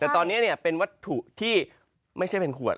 แต่ตอนนี้เป็นวัตถุที่ไม่ใช่เป็นขวด